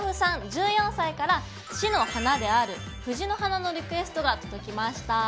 １４歳から市の花である「藤の花」のリクエストが届きました。